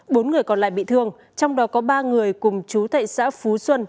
bốn người còn lại bị thương trong đó có ba người cùng chú thệ xã phú xuân